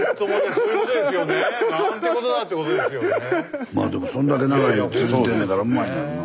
スタジオまあでもそんだけ長いの続いてんねんからうまいんやろな。